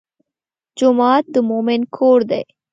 جومات د مؤمن کور دی.